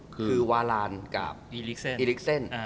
คือวาลานกับอิลิกเส้น